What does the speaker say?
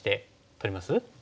取ります？